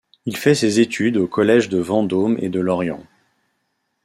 Il fait ses études aux collèges de Vendôme et de Lorient.